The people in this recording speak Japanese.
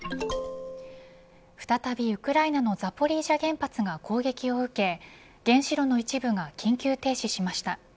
再びウクライナのザポリージャ原発が攻撃を受け原子炉の一部が緊急停止しました。